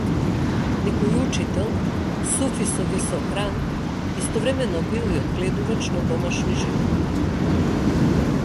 Некој учител, суфи со висок ранг, истовремено бил одгледувач на домашни животни.